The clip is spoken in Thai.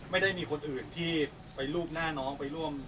ไม่ได้มีคนอื่นที่ไปรูปหน้าน้องไปร่วม